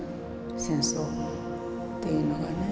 戦争っていうのがね。